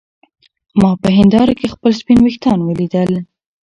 ما په هېنداره کې خپل سپین ويښتان ولیدل.